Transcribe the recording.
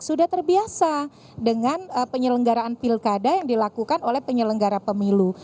sudah terbiasa dengan penyelenggaraan pilkada yang dilakukan oleh penyelenggara pemilu